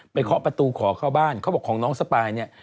เคาะประตูขอเข้าบ้านเขาบอกของน้องสปายเนี่ย